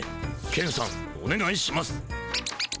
ケンさんおねがいします。